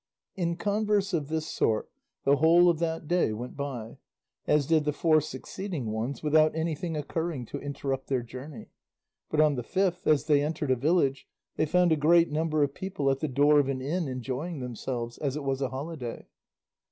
In converse of this sort the whole of that day went by, as did the four succeeding ones, without anything occurring to interrupt their journey, but on the fifth as they entered a village they found a great number of people at the door of an inn enjoying themselves, as it was a holiday.